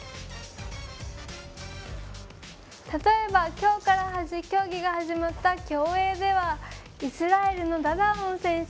例えばきょうから競技が始まった競泳ではイスラエルのダダオン選手。